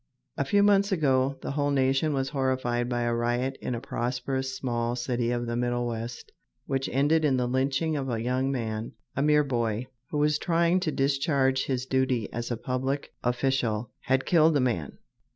A few months ago the whole nation was horrified by a riot in a prosperous small city of the Middle West which ended in the lynching of a young man, a mere boy, who in trying to discharge his duty as a public official had killed a man.